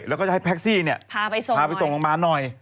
แล้วก็จะให้แท็กซี่พาไปส่งลงบ้านหน่อย